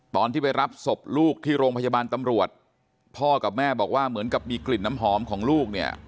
ตอนที่ไปรับศพลูกที่โรงพยาบาลตำรวจพ่อกับแม่บอกว่าเหมือนกับมีกลิ่นน้ำหอมของลูกเนี่ย